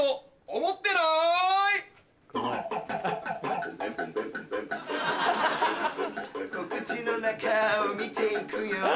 お口の中を見て行くよ